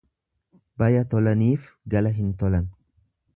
Baya tolaniif gala hin tolan.